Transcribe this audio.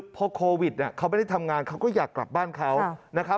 พอโควิดเขาไม่ได้ทำงานเขาก็อยากกลับบ้านเขานะครับ